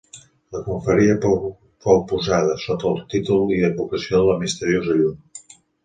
La confraria fou posada sota el títol i advocació de la Misteriosa Llum.